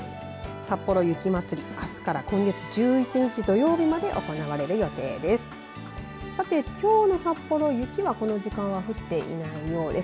さっぽろ雪まつりあすから今月１１日土曜日まで行われる予定です。